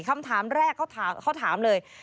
คำถามแรกเขาถามเลย